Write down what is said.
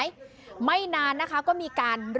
สุดทนแล้วกับเพื่อนบ้านรายนี้ที่อยู่ข้างกัน